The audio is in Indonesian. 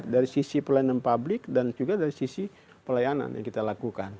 dari sisi pelayanan publik dan juga dari sisi pelayanan yang kita lakukan